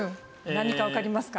何かわかりますか？